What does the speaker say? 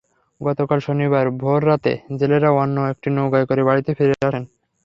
গতকাল শনিবার ভোররাতে জেলেরা অন্য একটি নৌকায় করে বাড়িতে ফিরে আসেন।